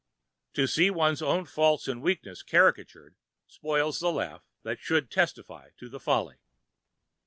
To see one's own faults and weaknesses caricatured spoils the laugh that should testify to the folly.